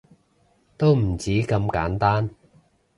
都唔止咁簡單